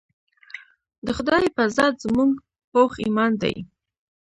د خدائے پۀ ذات زمونږ پوخ ايمان دے